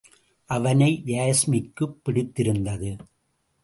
அவனை யாஸ்மிக்குப் பிடித்திருந்தது.